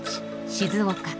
静岡。